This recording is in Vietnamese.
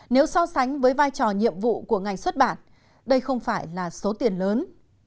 nếu so sánh với vai trò nhiệm vụ của ngành xuất bản đây không phải là số tiền lớn